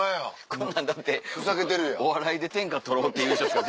こんなんだってお笑いで天下取ろうっていう人しか。